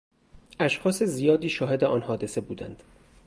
اشخاص زیادی شاهد آن حادثه بودند.